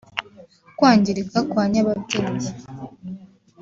kwangirika kwa nyababyeyi